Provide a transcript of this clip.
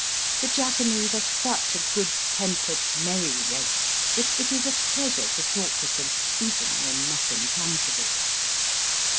The Japanese are such a good tempered, merry race that it is a pleasure to talk with them, even when nothing comes of it.